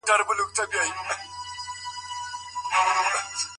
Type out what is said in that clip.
که تاسو هره ورځ تازه سبزیجات وخورئ نو پوستکی به مو روښانه شي.